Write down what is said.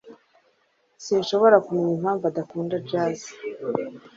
Sinshobora kumenya impamvu udakunda jazz.